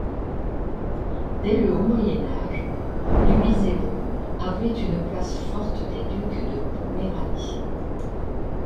Dès le Haut Moyen Âge, Lubiszewo abrite une place forte des ducs de Poméranie.